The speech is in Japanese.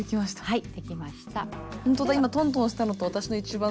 はい。